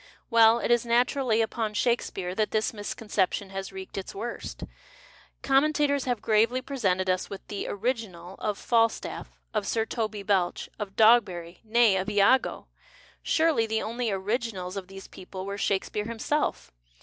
Well, it is naturally upon ShakesiDcare that this misconception has wreaked its worst. Commen tators have gravely presented us with the " original " of Falstaff, of Sir Toby Belch, of Dogberry — nay, of lago. Surely, the only " originals " of these people were Shakespeare himself